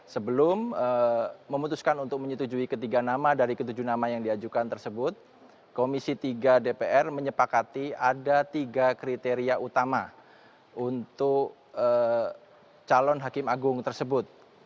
sebelum memutuskan untuk menyetujui ketiga nama dari ketujuh nama yang diajukan tersebut komisi tiga dpr menyepakati ada tiga kriteria utama untuk calon hakim agung tersebut